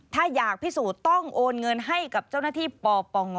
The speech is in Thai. ถ้าอยากพิสูจน์ต้องโอนเงินให้กับเจ้าหน้าที่ปปง